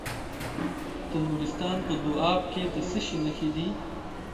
د نورستان په دو اب کې د څه شي نښې دي؟